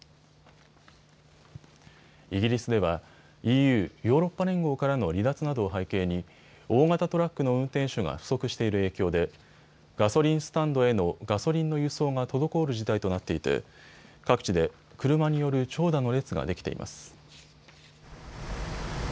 イギリスではＥＵ・ヨーロッパ連合からの離脱などを背景に大型トラックの運転手が不足している影響でガソリンスタンドへのガソリンの輸送が滞る事態となっていて各地で車による長蛇の列ができています。